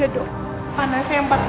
aku sedang penyakit